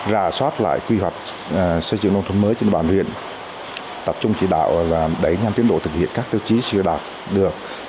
rà soát lại quy hoạch xây dựng nông thôn mới trên bàn huyện tập trung chỉ đạo đẩy nhanh tiến độ thực hiện các tiêu chí chưa đạt được